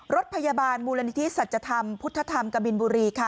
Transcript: รถพยาบาลมูลนิธิสัจธรรมพุทธธรรมกบินบุรีค่ะ